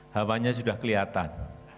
hawanya sudah kelihatan